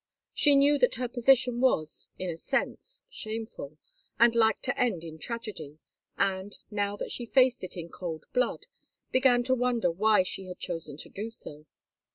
She knew that her position was, in a sense, shameful, and like to end in tragedy, and, now that she faced it in cold blood, began to wonder why she had chosen so to do.